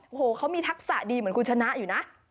โอ้โหเขามีทักษะดีเหมือนคุณชนะอยู่นะ